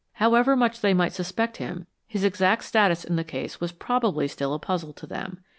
However much they might suspect him, his exact status in the case was probably still a puzzle to them.